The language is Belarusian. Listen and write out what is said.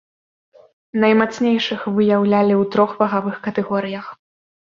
Наймацнейшых выяўлялі ў трох вагавых катэгорыях.